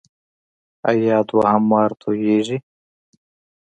ایا دوهم وار توییږي؟